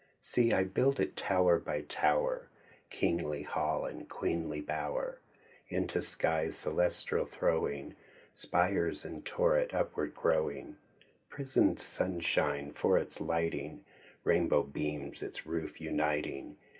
See I build it tower by tower. Kingly hall and queenly bower. Into skies celestial throwing. Spire and turret upward growing. Prisoned sunshine for its lighting. Rainbow beams its roof uniting.